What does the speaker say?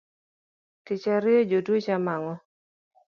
Tich ariyo jotuo chamo ang’o?